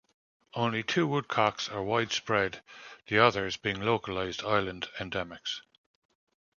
Only two woodcocks are widespread, the others being localized island endemics.